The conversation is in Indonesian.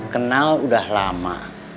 kenal udah lama